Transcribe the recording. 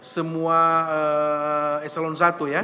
semua e salon satu ya